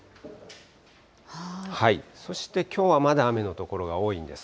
そして、きょうはまだ雨の所が多いんです。